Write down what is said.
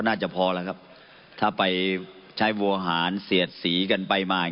น่าจะพอแล้วครับถ้าไปใช้วัวหารเสียดสีกันไปมา